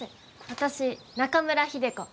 私、中村秀子。